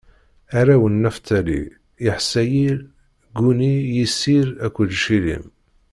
Arraw n Naftali: Yaḥṣayil, Guni, Yiṣir akked Cilim.